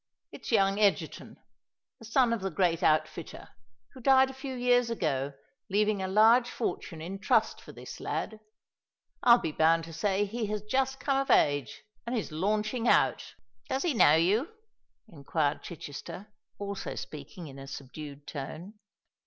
It's young Egerton—the son of the great outfitter, who died a few years ago, leaving a large fortune in trust for this lad. I'll be bound to say he has just come of age, and is launching out." "Does he know you?" inquired Chichester, also speaking in a subdued tone.